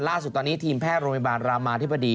ล่าสุดตอนนี้ทีมแพทย์โรงพยาบาลรามาธิบดี